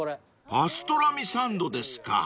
［パストラミサンドですか］